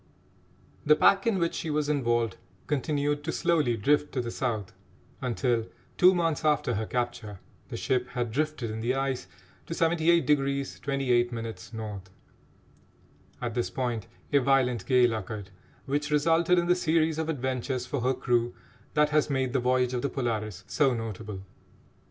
The pack in which she was involved continued to slowly drift to the South until, two months after her capture, the ship had drifted in the ice to 78° 28' N. At this point a violent gale occurred, which resulted in the series of adventures for her crew that has made the voyage of the Polaris so notable.